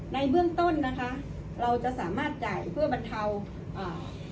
ในเบื้องต้นนะคะเราจะสามารถจ่ายเพื่อบรรเทาอ่า